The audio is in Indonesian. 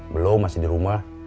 belum masih di rumah